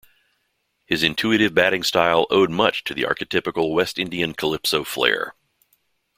His intuitive batting style owed much to the archetypical West Indian calypso flair.